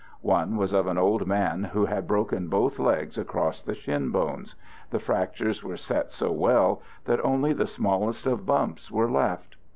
One was of an old man who had broken both legs across the shin bones. The fractures were set so well that only the smallest of bumps were left.